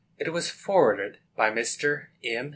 It was forwarded by Mr. M.